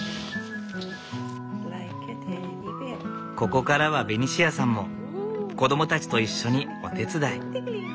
ここからはベニシアさんも子供たちと一緒にお手伝い。